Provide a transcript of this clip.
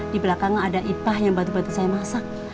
di belakang ada ipah yang bantu bantu saya masak